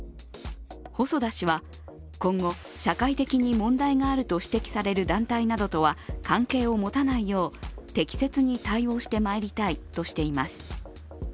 細田氏は今後、社会的に問題があると指摘される団体などとは関係を持たないよう適切に対応してまいりたいとしています。